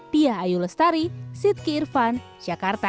saya ayu lestari siti irfan jakarta